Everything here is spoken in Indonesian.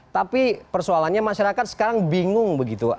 tapi persoalannya masyarakat sekarang bingung begitu